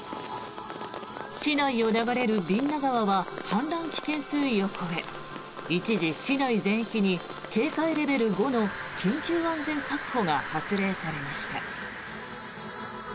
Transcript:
市内を流れる蛭田川は氾濫危険水位を超え一時、市内全域に警戒レベル５の緊急安全確保が発令されました。